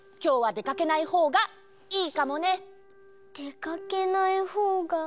でかけないほうがいい？